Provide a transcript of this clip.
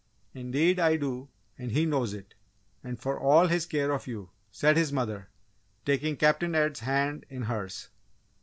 "Indeed I do, and he knows it! And for all his care of you," said his mother, taking Captain Ed's hand in hers.